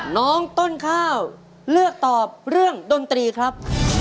น้องต้นข้าวเลือกตอบเรื่องดนตรีครับ